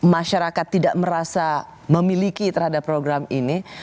masyarakat tidak merasa memiliki terhadap program ini